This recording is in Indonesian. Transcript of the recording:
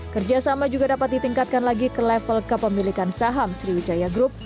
kerjasama juga dapat ditingkatkan lagi ke level kepemilikan saham sriwijaya group